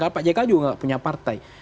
karena pak jk juga nggak punya partai